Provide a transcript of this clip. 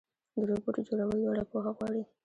د روبوټ جوړول لوړه پوهه غواړي.